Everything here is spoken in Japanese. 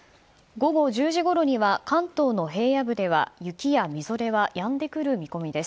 午後１０時ごろには関東の平野部では雪やみぞれはやんでくる見込みです。